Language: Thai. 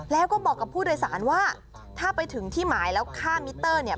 แล้วก็บอกกับผู้โดยสารว่าถ้าไปถึงที่หมายแล้วค่ามิเตอร์เนี่ย